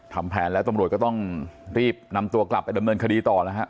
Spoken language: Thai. ทำแผนแล้วตำรวจก็ต้องรีบนำตัวกลับไปดำเนินคดีต่อแล้วฮะ